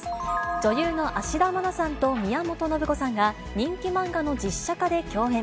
女優の芦田愛菜さんと宮本信子さんが、人気漫画の実写化で共演。